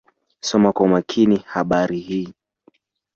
Soma kwa umakini Habari hii.